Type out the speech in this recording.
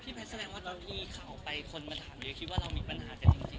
แพทย์แสดงว่าตอนที่ข่าวไปคนมาถามเยอะคิดว่าเรามีปัญหากันจริง